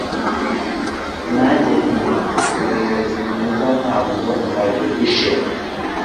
Nanjye nti Umuyobozi mwiza ntabwo ndaguhishe